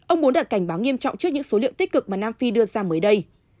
ông muốn đặt cảnh báo nghiêm trọng trước những số liệu tích cực mà nam phi đưa ra mới đây